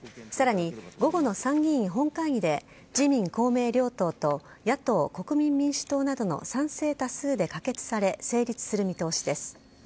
さらに午後の参議院本会議で自民、公明両党と、野党・国民民主党などの賛成多数で可決され、成立する見通しです。